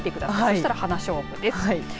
そしたら花しょうぶです。